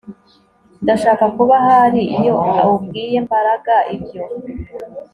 Ndashaka kuba ahari iyo ubwiye Mbaraga ibyo